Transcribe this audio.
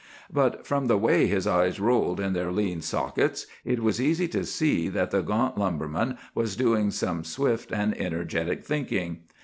But from the way his eyes rolled in their lean sockets, it was easy to see that the gaunt lumberman was doing some swift and energetic thinking."